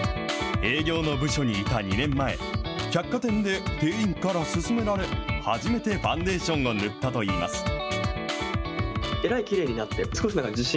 営業の部署にいた２年前、百貨店で店員から勧められ、初めてファンデーションを塗ったといいます。